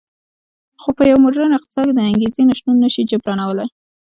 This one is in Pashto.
خو په یو موډرن اقتصاد کې د انګېزې نشتون نه شي جبرانولی